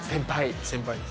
先輩です。